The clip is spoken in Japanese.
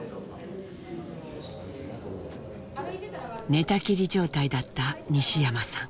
寝たきり状態だった西山さん。